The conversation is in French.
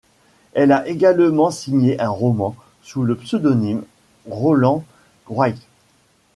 Elle a également signé un roman sous le pseudonyme Rowland Wright.